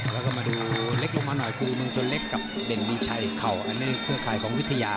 แล้วก็มาดูเล็กลงมาหน่อยคือเมืองชนเล็กกับเด่นมีชัยเข่าอันนี้เครือข่ายของวิทยา